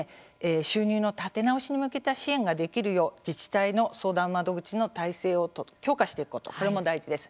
収入の立て直しに向けた支援ができるよう、自治体の相談窓口の体制を強化していくことこれも大事です。